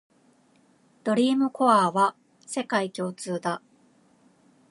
ドリームコアは世界共通だ